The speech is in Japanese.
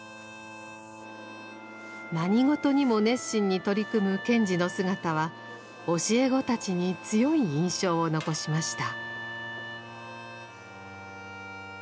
何事にも熱心に取り組む賢治の姿は教え子たちに強い印象を残しました。